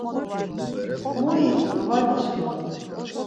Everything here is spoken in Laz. Mu it̆ur var gişǩun.